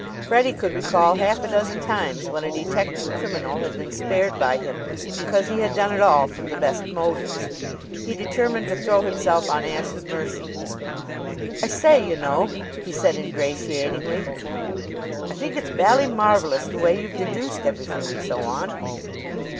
Freddie could recall half a dozen times when a detected criminal had been spared by him because he had done it all from the best motives. He determined to throw himself on Ashe's mercy. "I say, you know," he said ingratiatingly, "I think it's bally marvelous the way you've deduced everything, and so on."